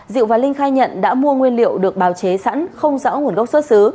diệu và linh khai nhận đã mua nguyên liệu được bào chế sẵn không rõ nguồn gốc xuất xứ